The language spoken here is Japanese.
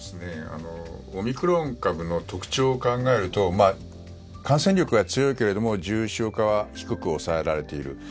オミクロン株の特徴を考えると感染力が強いけれども重症化は低く抑えられている。